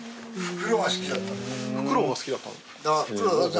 フクロウが好きだったんですか。